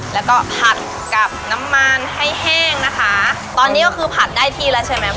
แล้วก็ผัดกับน้ำมันให้แห้งนะคะตอนนี้ก็คือผัดได้ที่แล้วใช่ไหม